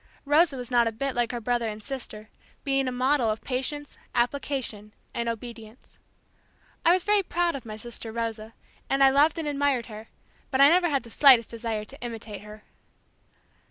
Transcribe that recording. Rosa was not a bit like her brother and sister; being a model of patience, application and obedience. I was very proud of my sister Rosa, and I loved and admired her, but I never had the slightest desire to imitate her.